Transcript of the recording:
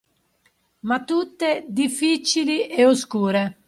Ma tutte difficili e oscure